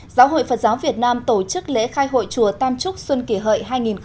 giáo hội phật giáo việt nam tổ chức lễ khai hội chùa tam trúc xuân kỷ hợi hai nghìn một mươi chín